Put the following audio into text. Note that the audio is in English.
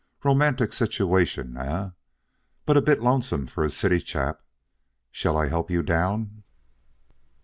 Romantic situation, eh? But a bit lonesome for a city chap? Shall I help you down?"